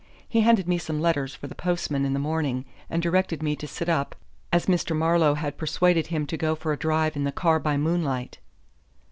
He handed me some letters for the postman in the morning and directed me to sit up, as Mr. Marlowe had persuaded him to go for a drive in the car by moonlight."